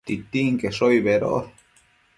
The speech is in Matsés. Titinqueshobi bedosh